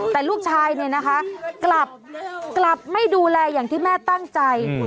แต่ลูกชายเนี่ยนะคะกลับไม่ดูแลอย่างที่แม่ตั้งใจ